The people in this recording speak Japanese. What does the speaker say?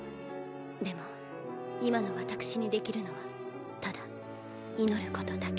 でも今の私にできるのはただ祈ることだけ。